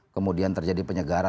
kemudian terjadi penyegaran